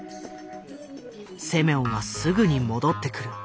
セミョンはすぐに戻ってくる。